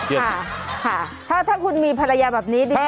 ถ้าคุณมีภรรยาแบบนี้